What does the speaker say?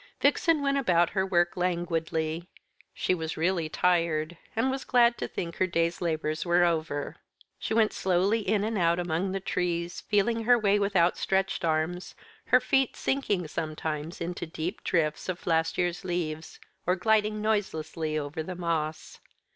Vixen went about her work languidly. She was really tired, and was glad to think her day's labours were over. She went slowly in and out among the trees, feeling her way with outstretched arms, her feet sinking sometimes into deep drifts of last year's leaves, or gliding noiselessly over the moss.